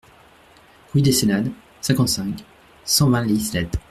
Rue des Senades, cinquante-cinq, cent vingt Les Islettes